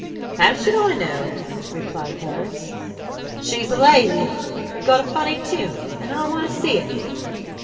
"How should I know?" replied Harris. "She's a lady that's got a funny tomb, and I want to see it."